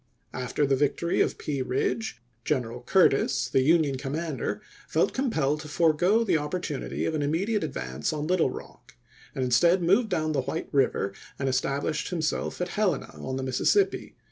After the victory of Pea Ridge, General Curtis, the Union commander, felt compelled to forego the opportu nity of an immediate advance on Little Rock, and instead moved down the White River and es tablished himself at Helena on the Mississippi, 410 ABKAHAM LINCOLN Chap. XVI.